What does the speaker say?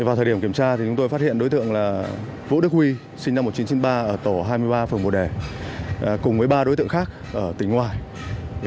vào thời điểm kiểm tra chúng tôi phát hiện đối tượng là vũ đức huy sinh năm một nghìn chín trăm chín mươi ba ở tổ hai mươi ba phường bồ đẻ cùng với ba đối tượng khác ở tỉnh ngoài